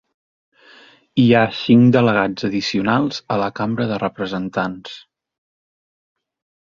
Hi ha cinc delegats addicionals a la Cambra de Representants.